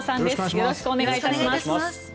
よろしくお願いします。